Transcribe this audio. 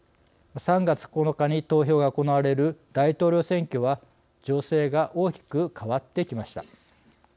３月９日に投票が行われる大統領選挙は情勢が大きく変わってきました。